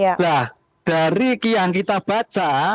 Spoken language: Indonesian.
nah dari yang kita baca